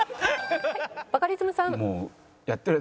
はいバカリズムさん。